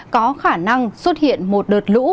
có khả năng xuất hiện một đợt lũ